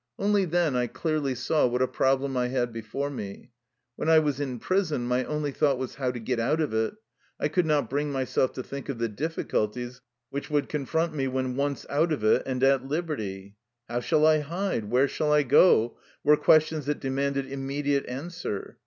Only then I clearly saw what a problem I had before me. When I was in prison my only thought was, how to get out of it. I could not bring myself to think of the difficulties which would confront me when once out of it, and at liberty. "How shall I hide, where shall I go?" were questions that demanded immediate answer.